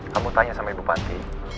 kamu tanya sama ibu bupati